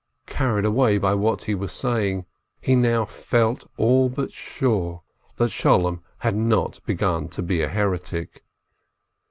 Carried away by what he was saying, he now felt all but sure that Sholem had not begun to be a heretic.